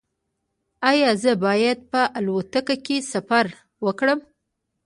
ایا زه باید په الوتکه کې سفر وکړم؟